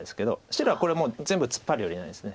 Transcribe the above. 白はこれもう全部ツッパるよりないです。